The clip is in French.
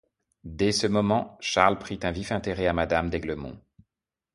Dès ce moment Charles prit un vif intérêt à madame d’Aiglemont.